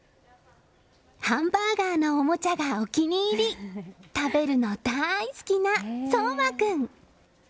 ハンバーガーのおもちゃがお気に入り食べるの大好きな想真君。